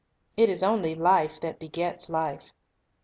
It is only life that begets life.